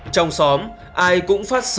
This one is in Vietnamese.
trong xóm ai cũng có thể nhìn thấy chó